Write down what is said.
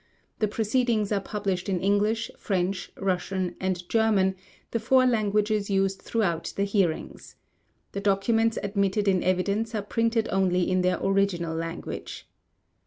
The proceedings are published in English, French, Russian, and German, the four languages used throughout the hearings. The documents admitted in evidence are printed only in their original language.